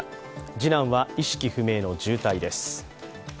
次男は意識不明の重傷です。